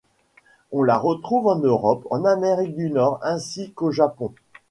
On la retrouve en Europe, en Amérique du Nord ainsi qu'au Japon.